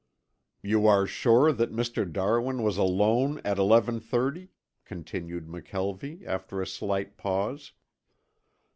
"You are sure that Mr. Darwin was alone at eleven thirty?" continued McKelvie, after a slight pause.